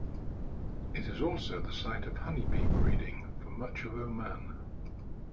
It is also the site of honey bee breeding for much of Oman.